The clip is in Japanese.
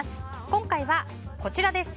今回はこちらです。